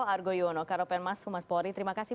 argo yuwono karopen mas humas polri terima kasih